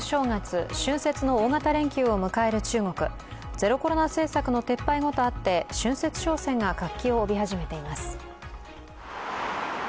ゼロコロナ政策の撤廃後とあって春節商戦が活気を帯びています。